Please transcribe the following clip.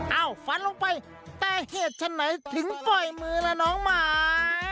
ฝันลงไปแต่เหตุฉันไหนถึงปล่อยมือละน้องหมา